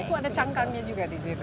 itu ada cangkangnya juga di situ